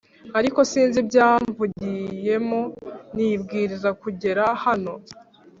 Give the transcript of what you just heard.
ariko sinzi ibyamvugiyemo nibwiriza kugera hano